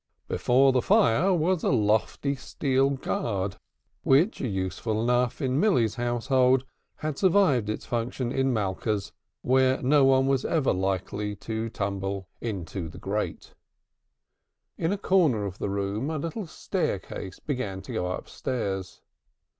Before the fire was a lofty steel guard, which, useful enough in Milly's household, had survived its function in Malka's, where no one was ever likely to tumble into the grate. In a corner of the room a little staircase began to go upstairs.